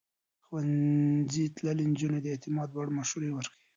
ښوونځی تللې نجونې د اعتماد وړ مشورې ورکوي.